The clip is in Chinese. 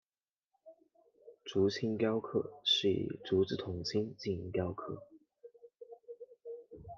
竹青雕刻是以竹子筒茎进行雕刻。